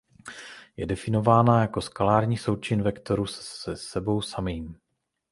Je definována jako skalární součin vektoru se sebou samým.